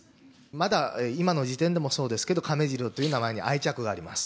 まだ今の時点でもそうですけど、亀治郎という名前に愛着があります。